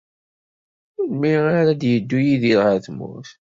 Melmi ara yeddu Yidir ɣer tmurt?